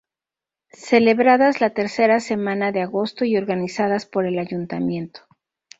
Celebradas la tercera semana de agosto y organizadas por el ayuntamiento.